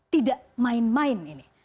tidak main main ini